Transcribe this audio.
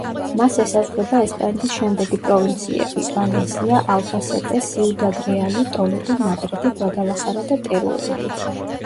მას ესაზღვრება ესპანეთის შემდეგი პროვინციები: ვალენსია, ალბასეტე, სიუდად-რეალი, ტოლედო, მადრიდი, გვადალახარა და ტერუელი.